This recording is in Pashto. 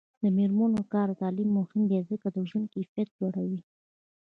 د میرمنو کار او تعلیم مهم دی ځکه چې ژوند کیفیت لوړوي.